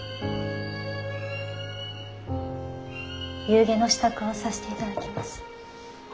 夕餉の支度をさせていただきます。